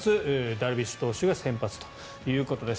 ダルビッシュ投手が先発ということです。